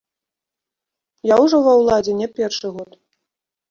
Я ўжо ва ўладзе не першы год.